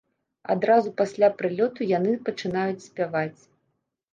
Адразу пасля прылёту яны пачынаюць спяваць.